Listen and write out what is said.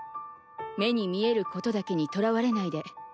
目に見えることだけにとらわれないで。